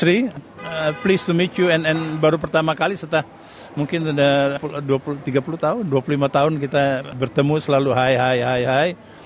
terima kasih untuk bertemu dan baru pertama kali setelah mungkin sudah tiga puluh tahun dua puluh lima tahun kita bertemu selalu hai hai hai hai